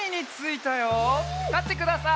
たってください。